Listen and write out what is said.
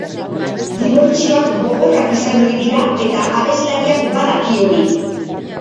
Dibortzioak gogorrak izan ohi dira eta abeslariak badaki hori.